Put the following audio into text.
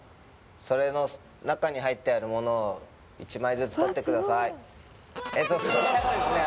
それの中に入ってあるものを１枚ずつ取ってくださいそちらがですね